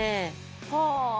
はあ。